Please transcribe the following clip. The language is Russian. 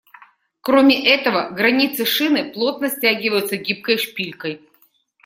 Кроме этого, границы шины плотно стягиваются гибкой шпилькой.